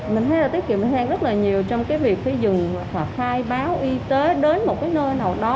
mình thấy là tiết kiệm bình thường rất là nhiều trong cái việc phải dừng hoặc khai báo y tế đến một cái nơi nào đó